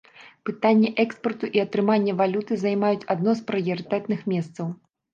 Пытанні экспарту і атрымання валюты займаюць адно з прыярытэтных месцаў.